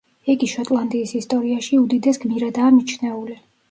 იგი შოტლანდიის ისტორიაში უდიდეს გმირადაა მიჩნეული.